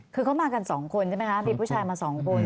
คือเขามากันสองคนใช่ไหมครับเป็นผู้ชายมาสองคน